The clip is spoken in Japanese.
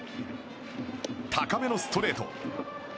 高めのストレート。